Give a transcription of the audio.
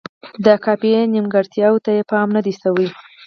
د قافیې نیمګړتیاوو ته یې پام نه دی شوی.